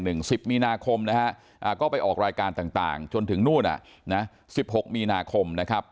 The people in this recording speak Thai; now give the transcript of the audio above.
จนถึง๑๐มีนาคมนะฮะก็ไปออกรายการต่างจนถึงนู่นน่ะ๑๖มีนาคมนะครับ